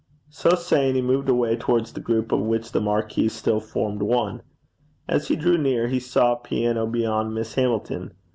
So saying, he moved away towards the group of which the marquis still formed one. As he drew near he saw a piano behind Miss Hamilton.